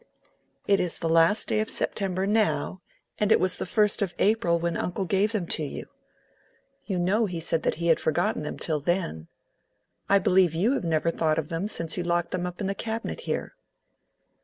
"It is the last day of September now, and it was the first of April when uncle gave them to you. You know, he said that he had forgotten them till then. I believe you have never thought of them since you locked them up in the cabinet here."